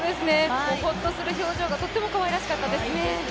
ホッとする表情がとってもかわいらしかったです。